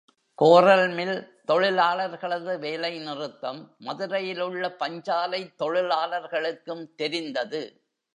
கோரல் mill தொழிலாளர்களது வேலை நிறுத்தம் மதுரையில் உள்ள பஞ்சாலைத் தொழிலாளர்களுக்கும் தெரிந்தது.